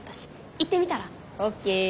行ってみたら？ＯＫ。